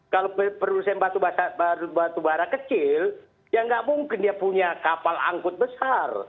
kalau produsen batubara kecil ya nggak mungkin dia punya kapal angkut besar